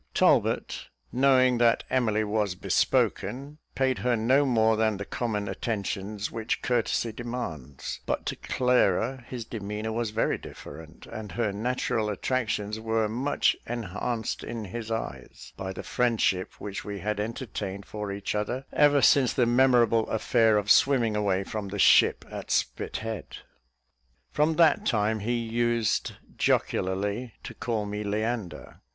Talbot knowing that Emily was bespoken, paid her no more than the common attentions which courtesy demands; but to Clara his demeanour was very different: and her natural attractions were much enhanced in his eyes, by the friendship which we had entertained for each other ever since the memorable affair of swimming away from the ship at Spithead; from that time he used jocularly to call me "Leander."